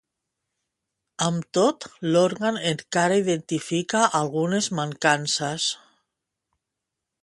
Amb tot, l’òrgan encara identifica algunes mancances.